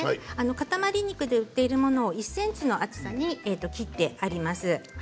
塊肉で売っているものを１ｃｍの厚さに切ってあります。